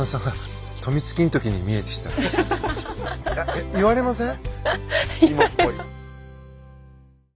えっえっ言われません？